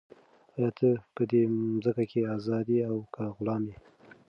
آیا ته په دې مځکه کې ازاد یې او که غلام یې؟